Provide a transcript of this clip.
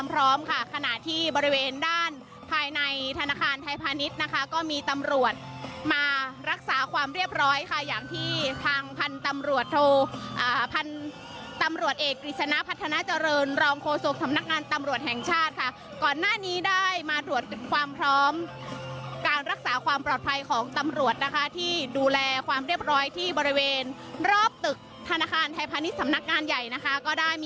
พร้อมค่ะขณะที่บริเวณด้านภายในธนาคารไทยพาณิชย์นะคะก็มีตำรวจมารักษาความเรียบร้อยค่ะอย่างที่ทางพันธุ์ตำรวจโทอ่าพันธุ์ตำรวจเอกริษณพัฒนาเจริญรอมโคโศกสำนักงานตำรวจแห่งชาติค่ะก่อนหน้านี้ได้มารวดความพร้อมการรักษาความปลอดภัยของตำรวจนะคะที่ดูแลความ